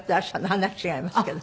話違いますけど。